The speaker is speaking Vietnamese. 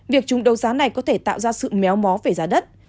việc trùng đấu giá này có thể tạo ra sự méo mó về giá đất